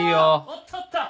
おったおった！